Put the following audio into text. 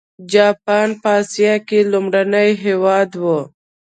جاپان په اسیا کې لومړنی هېواد و.